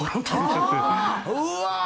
うわ。